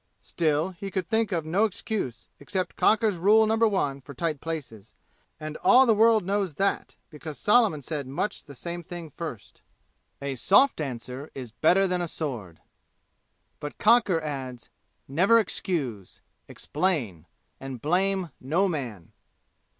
Still he could think of no excuse, except Cocker's Rule No. I for Tight Places, and all the world knows that because Solomon said much the same thing first: "A soft answer is better than a sword!" But Cocker adds, "Never excuse. Explain! And blame no man."